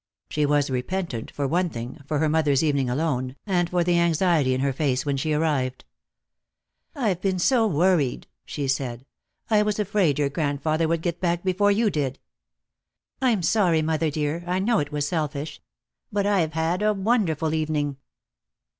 She was repentant, for one thing, for her mother's evening alone, and for the anxiety in her face when she arrived. "I've been so worried," she said, "I was afraid your grandfather would get back before you did." "I'm sorry, mother dear. I know it was selfish. But I've had a wonderful evening."